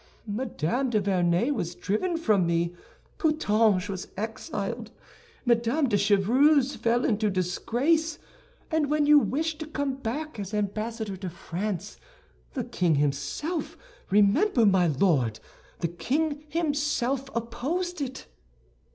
Madame de Vernet was driven from me, Putange was exiled, Madame de Chevreuse fell into disgrace, and when you wished to come back as ambassador to France, the king himself—remember, my lord—the king himself opposed it."